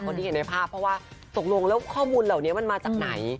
ที่เห็นในภาพเพราะว่าตกลงแล้วข้อมูลเหล่านี้มันมาจากไหน